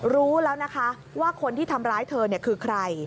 รู้แล้วนะคะว่าคนที่ทำร้ายเธอคือใคร